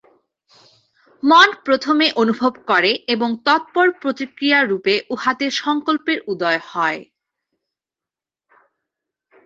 মন প্রথমে অনুভব করে এবং তৎপর প্রতিক্রিয়ারূপে উহাতে সঙ্কল্পের উদয় হয়।